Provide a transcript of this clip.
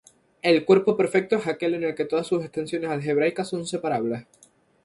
Un cuerpo perfecto es aquel en que todas sus extensiones algebraicas son separables.